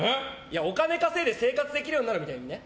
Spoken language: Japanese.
お金稼いで生活できるようになるって意味だよ。